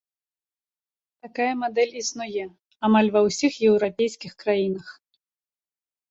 Такая мадэль існуе амаль ва ўсіх еўрапейскіх краінах.